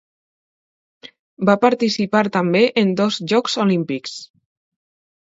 Va participar també en dos Jocs Olímpics.